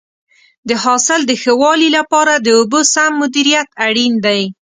د حاصل د ښه والي لپاره د اوبو سم مدیریت اړین دی.